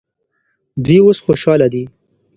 دوی اوس خوشحاله دي.